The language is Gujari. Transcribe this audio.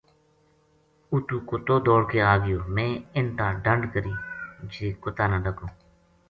اُتو کُتو دوڑ کے آگیو میں اِنھ تا ڈَنڈ کری جے کُتا نا ڈَکو ں